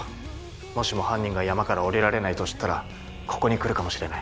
もしも犯人が山から下りられないと知ったらここに来るかもしれない。